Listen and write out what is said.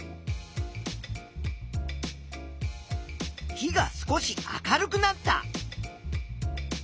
火が少し明るくなった。